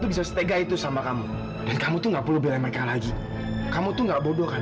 bisa setegah itu sama kamu kamu tuh nggak perlu beri mereka lagi kamu tuh nggak bodoh